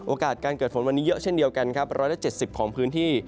โอกาสการเกิดฝนวันนี้เยอะเช่นเดียวกันครับ๑๗๐ของพื้นที่